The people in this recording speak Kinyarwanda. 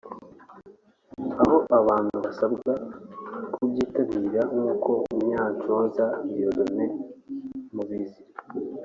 aho abantu basabwa kubyitabira nk’uko Munyanshoza Dieudonne (Mibirizi)